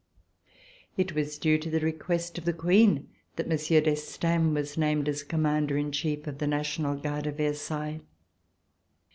It was due to the request of the Queen that Monsieur d'Estaing was named as Commander in chief of the National Guard of Ver sailles.